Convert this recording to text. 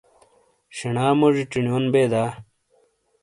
شینا موجی چینیون بے دا؟